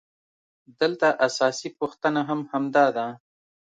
دلته اساسي پوښتنه هم همدا ده